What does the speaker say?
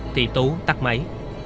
thì tú tắt máy